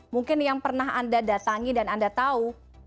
mungkin yang pernah anda datangi dan anda tahu